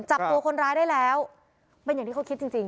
จับตัวคนร้ายได้แล้วเป็นอย่างที่เขาคิดจริงจริง